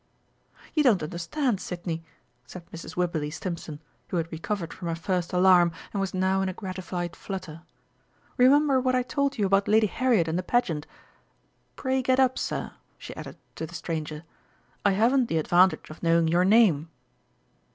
"You don't understand, Sidney," said Mrs. Wibberley Stimpson, who had recovered from her first alarm and was now in a gratified flutter; "remember what I told you about Lady Harriet and the Pageant! Pray, get up, sir," she added to the stranger, "I haven't the advantage of knowing your name."